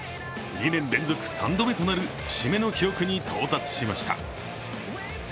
２年連続３度目となる節目の記録に到達しました。